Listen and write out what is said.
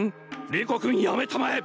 リコ君やめたまえ！